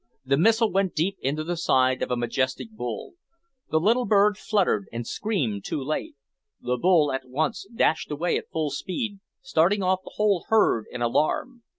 The missile went deep into the side of a majestic bull. The little bird fluttered and screamed too late. The bull at once dashed away at full speed, starting off the whole herd in alarm.